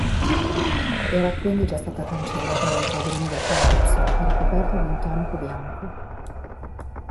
Era quindi già stata cancellata dai padroni del palazzo e ricoperta di intonaco bianco.